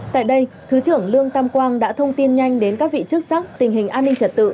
tại đây thứ trưởng lương tam quang đã thông tin nhanh đến các vị chức sắc tình hình an ninh trật tự